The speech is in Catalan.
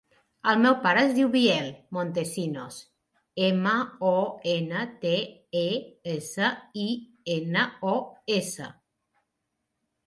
El meu pare es diu Biel Montesinos: ema, o, ena, te, e, essa, i, ena, o, essa.